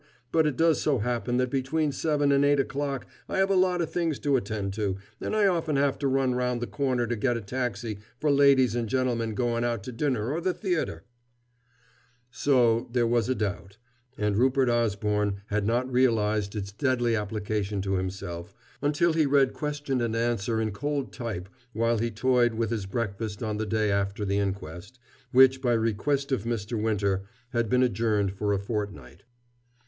But it does so happen that between seven an' eight o'clock I have a lot of things to attend to, and I often have to run round the corner to get a taxi for ladies and gentlemen goin' out to dinner or the theater." So, there was a doubt, and Rupert Osborne had not realized its deadly application to himself until he read question and answer in cold type while he toyed with his breakfast on the day after the inquest, which, by request of Mr. Winter, had been adjourned for a fortnight.